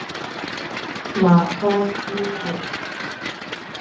罵菩時律